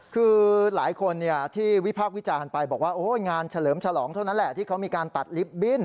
คือหลายคนที่วิพากษ์วิจารณ์ไปบอกว่างานเฉลิมฉลองเท่านั้นแหละที่เขามีการตัดลิฟต์บิ้น